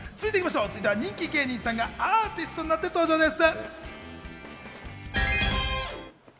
続いては人気芸人さんがアーティストになって登場です。